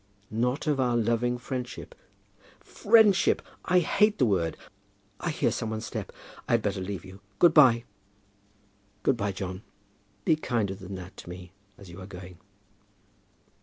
"Not of our loving friendship." "Friendship! I hate the word. I hear some one's step, and I had better leave you. Good by." "Good by, John. Be kinder than that to me as you are going."